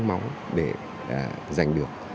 máu để giành được